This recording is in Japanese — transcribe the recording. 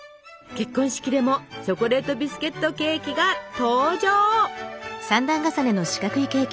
結婚式でもチョコレートビスケットケーキが登場！